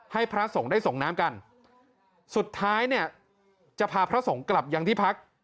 พระสงฆ์ได้ส่งน้ำกันสุดท้ายเนี่ยจะพาพระสงฆ์กลับยังที่พัก